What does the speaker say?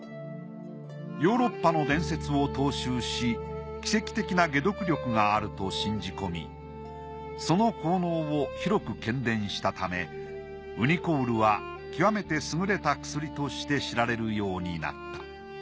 ヨーロッパの伝説を踏襲し奇跡的な解毒力があると信じ込みその効能を広く喧伝したためウニコウルは極めて優れた薬として知られるようになった。